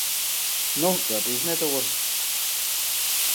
No, dan is it net oars.